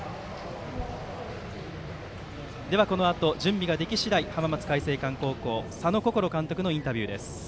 このあと準備ができ次第浜松開誠館の佐野心監督のインタビューです。